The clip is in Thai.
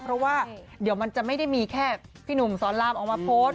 เพราะว่าเดี๋ยวมันจะไม่ได้มีแค่พี่หนุ่มสอนรามออกมาโพสต์